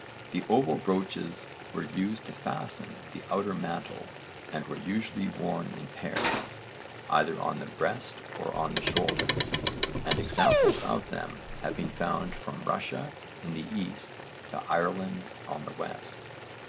The oval brooches were used to fasten the outer mantle and were usually worn in pairs, either on the breast or on the shoulders, and examples of them have been found from Russia in the East to Ireland on the West.